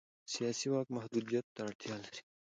سیاسي واک محدودیت ته اړتیا لري